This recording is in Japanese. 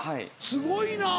すごいな！